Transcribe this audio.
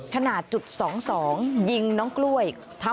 ขนาดจุด๒๒ยิงน้องกล้วย